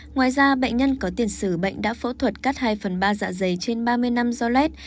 ngoài ra bệnh nhân có tiền sử bệnh đã phẫu thuật cắt hai phần ba dạ dày trên ba mươi năm do led